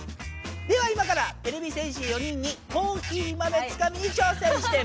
では今からてれび戦士４人にコーヒー豆つかみに挑戦してもらいます！